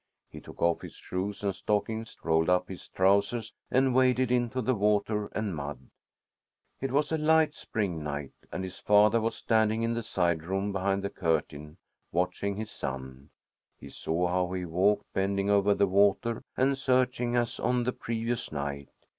He took off his shoes and stockings, rolled up his trousers, and waded into the water and mud. It was a light spring night, and his father was standing in the side room behind the curtain, watching his son. He saw how he walked bending over the water and searching as on the previous night.